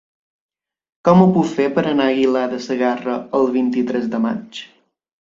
Com ho puc fer per anar a Aguilar de Segarra el vint-i-tres de maig?